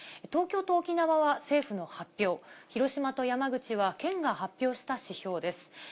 東京と沖縄は政府の発表、広島と山口は県が発表した指標です。